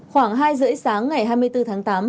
khoảng hai rưỡi sáng ngày hai mươi bốn tháng tám